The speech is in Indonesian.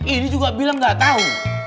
ini juga bilang gak tau